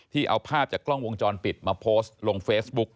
เอาภาพจากกล้องวงจรปิดมาโพสต์ลงเฟซบุ๊ก